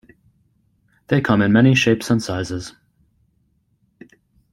They come in many shapes and sizes.